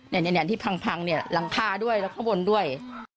เนี่ยที่พังเนี่ยหลังคาด้วยแล้วข้างบนด้วย